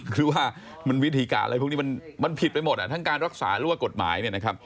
หรือว่ามันวิธีการอะไรพวกนี้มันผิดไปหมดทั้งการรักษารั่วกฎหมาย